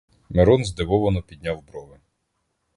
Мирон здивовано підняв брови.